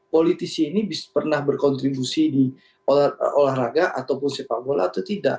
politisi ini pernah berkontribusi di olahraga ataupun sepak bola atau tidak